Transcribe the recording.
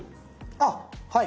あっはい。